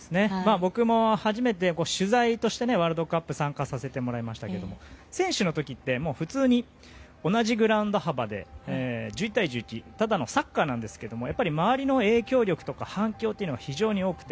僕も初めて取材としてワールドカップ参加させてもらいましたけど選手の時って普通に同じグラウンド幅で１１対１１ただのサッカーなんですけどもやっぱり周りの影響力とか反響というのが非常に多くて。